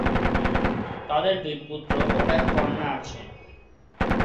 তাদের দুই পুত্র ও এক কন্যা আছে।